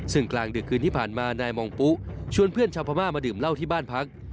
ซึ่งกลางดึกคืนที่ผ่านมานายมองปุ๊ชวนเพื่อนชาวพม่ามาดื่มเหล้าที่บ้านพัก